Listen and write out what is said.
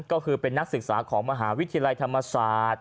ก็คือเป็นนักศึกษาของมหาวิทยาลัยธรรมศาสตร์